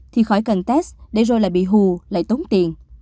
thì khỏi cần test để rồi lại bị hù lại tốn tiền